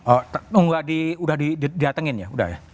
oh udah didatengin ya